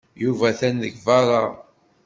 Yuba atan deg beṛṛa.